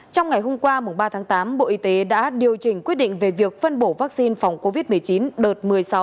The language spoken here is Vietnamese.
trong ngày hôm qua ba tháng tám bộ y tế đã điều chỉnh quyết định về việc phân bổ vaccine phòng covid một mươi chín đợt một